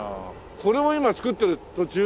これも今造ってる途中？